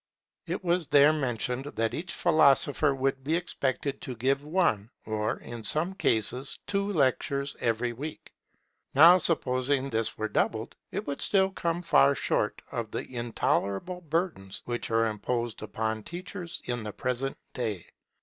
It was there mentioned that each philosopher would be expected to give one, or, in some cases, two lectures every week. Now supposing this were doubled, it would still come far short of the intolerable burdens which are imposed upon teachers in the present day.